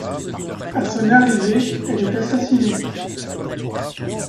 À son arrivée, elle est assassinée.